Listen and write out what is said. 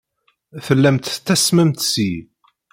Tellamt tettasmemt seg-i.